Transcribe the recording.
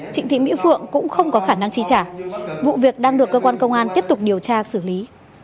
trịnh thị mỹ phượng cũng không có khả năng chi trả vụ việc đang được cơ quan công an tiếp tục điều tra xử lý